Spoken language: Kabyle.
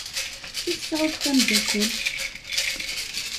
I tesɛud tameddakelt?